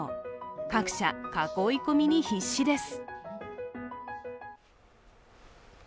各社、囲い込みに必死です。